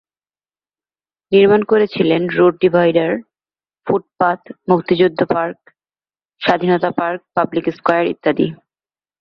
নির্মাণ করেছিলেন road divider, footpath, মুক্তিযোদ্ধা পার্ক, স্বাধীনতা পার্ক, পাবলিক স্কয়ার ইত্যাদি।